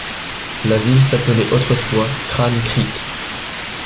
La ville s'appelait autrefois Crane Creek.